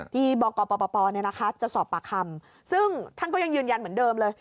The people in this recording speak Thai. ที่บกปปเนี่ยนะคะจะสอบปากคำซึ่งท่านก็ยังยืนยันเหมือนเดิมเลย